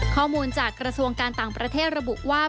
ข้อมูลจากกระทรวงการต่างประเทศระบุว่า